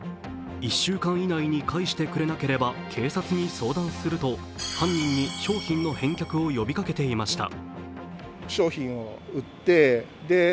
１週間以内に返してくれなければ警察に相談すると犯人に商品の返却を呼びかけていました。